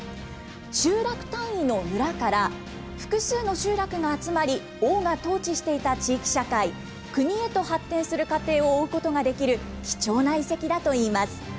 集落単位のムラから、複数の集落が集まり、王が統治していた地域社会、クニへと発展する過程を追うことができる、貴重な遺跡だといいます。